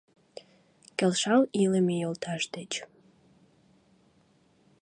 Келшал илыме йолташ деч.